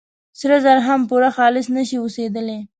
سره زر هم پوره خالص نه شي اوسېدلي.